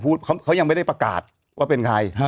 วันนี้ก็ประกาศแล้ว